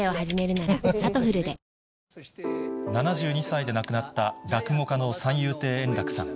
７２歳で亡くなった落語家の三遊亭円楽さん。